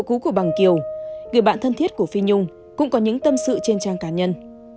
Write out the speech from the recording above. trong cuộc cứu của bằng kiều người bạn thân thiết của phi nhung cũng có những tâm sự trên trang cá nhân